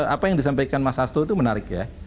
apa yang disampaikan mas hasto itu menarik ya